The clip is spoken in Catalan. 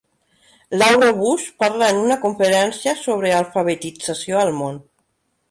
Laura Bush parla en una conferència sobre alfabetització al món.